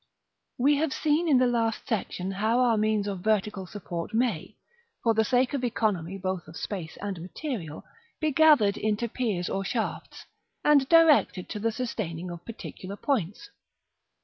§ I. We have seen in the last section how our means of vertical support may, for the sake of economy both of space and material, be gathered into piers or shafts, and directed to the sustaining of particular points.